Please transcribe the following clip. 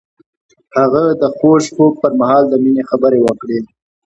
هغه د خوږ خوب پر مهال د مینې خبرې وکړې.